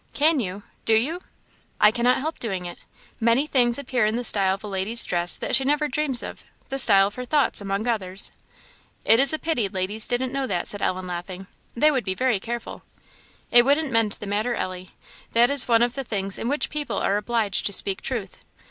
"Can you? do you?" "I cannot help doing it. Many things appear in the style of a lady's dress that she never dreams of; the style of her thoughts, among others." "It is a pity ladies didn't know that," said Ellen, laughing; "they would be very careful." "It wouldn't mend the matter, Ellie. That is one of the things in which people are obliged to speak truth.